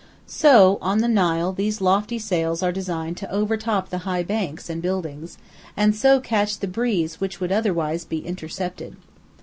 So on the Nile these lofty sails are designed to overtop the high banks and buildings, and so catch the breeze which would otherwise be intercepted.